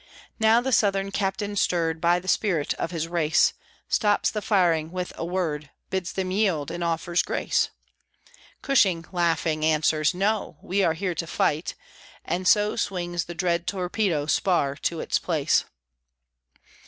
Now the Southern captain, stirred By the spirit of his race, Stops the firing with a word, Bids them yield, and offers grace. Cushing, laughing, answers, "No! we are here to fight!" and so Swings the dread torpedo spar to its place.